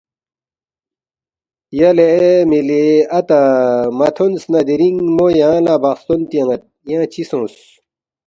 ”یلے مِلی اتا مہ تھونس نہ دِرِنگ مو یانگ لہ بخستون تیان٘ید ینگ چِہ سونگس